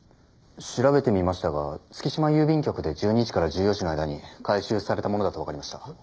調べてみましたが月島郵便局で１２時から１４時の間に回収されたものだとわかりました。